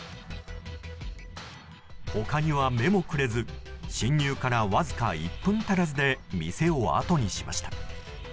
他には目もくれず侵入からわずか１分足らずで店をあとにしました。